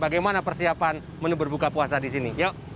bagaimana persiapan menu berbuka puasa di sini